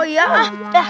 oh ya sudah